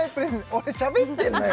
俺しゃべってんのよ！